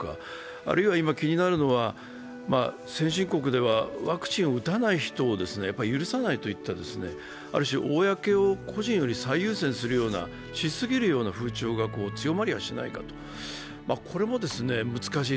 あるいは今気になるのは、先進国ではワクチンを打たない人を許さないといったある種公を個人より最優先するような、しすぎるような風潮が強まりはしないか、これも難しい。